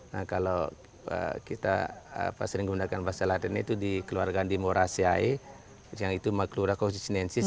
nah kalau kita sering menggunakan bahasa latin itu dikeluarkan di morasi air yang itu maklura coccinensis